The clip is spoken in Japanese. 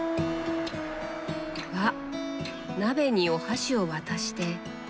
わっ鍋にお箸を渡して。